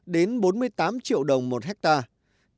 đến bốn mươi tám triệu đồng một hectare